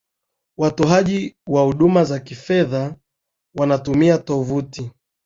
watoaji wa huduma za kifedha wanatumia tovuti